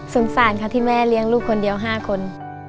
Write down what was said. สารค่ะที่แม่เลี้ยงลูกคนเดียว๕คน